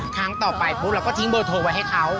ครั้งต่อไปปุ๊บเราก็ทิ้งเบอร์โทรไว้ให้เขา